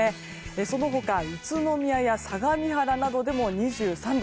その他、宇都宮や相模原などでも２３度。